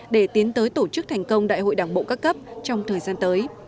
để tiến tới tổ chức thành công đại hội đảng bộ các cấp trong thời gian tới